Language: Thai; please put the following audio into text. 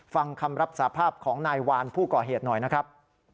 ฟังคำรับสาภาพของนายวานผู้ก่อเหตุหน่อยนะครับ